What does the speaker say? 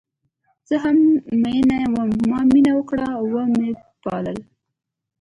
زه هم میینه وم ما مینه وکړه وه مې پالل